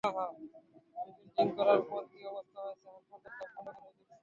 সেদিন ড্রিংক করার পর কী অবস্থা হয়েছে হাসপাতালে তা ভালো করেই দেখেছি।